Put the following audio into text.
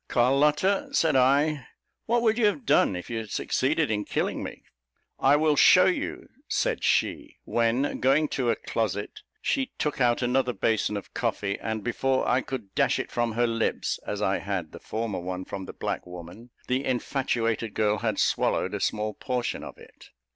"Carlotta," said I, "what would you have done if you had succeeded in killing me?" "I will shew you," said she; when, going to a closet, the took out another basin of coffee; and before I could dash it from her lips, as I had the former one from the black woman, the infatuated girl had swallowed a small portion of it.